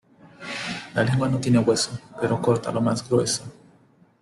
La lengua no tiene hueso, pero corta lo más grueso.